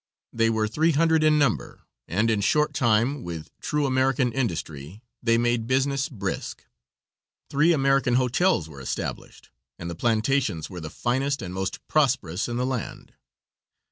They were three hundred in number, and in a short time, with true American industry, they made business brisk. Three American hotels were established, and the plantations were the finest and most prosperous in the land.